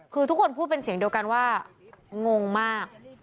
คือทุกคนพูดเป็นเสียงเดียวกันว่างงมาก